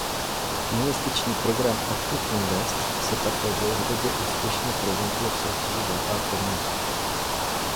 Investiční program Active Invest se také dlouhodobě úspěšně prezentuje v soutěži Zlatá koruna.